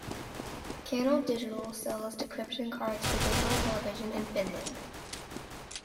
Canal Digital sells decryption cards for digital television in Finland.